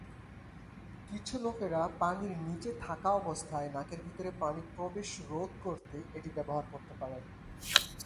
কিছু লোকেরা পানির নীচে থাকা অবস্থায় নাকের ভিতর পানির প্রবেশ রোধ করতে এটি ব্যবহার করতে পারেন।